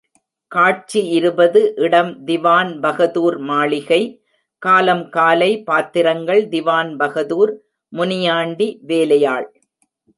காட்சி இருபது இடம் திவான்பகதூர் மாளிகை காலம் காலை பாத்திரங்கள் திவான்பகதூர், முனியாண்டி, வேலையாள்.